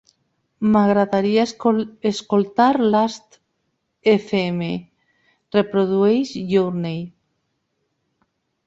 M'agradaria escoltar Last.fm. Reprodueix Journey.